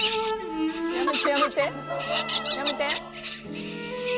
「やめてやめてやめて」